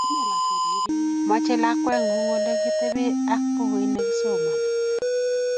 Mochei lakwengung Ole kitebe aak bukuit nekisomani